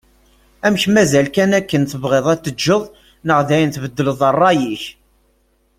Amek mazal kan akken tebɣiḍ ad tt-teǧǧeḍ neɣ dayen tbeddleḍ rray-ik?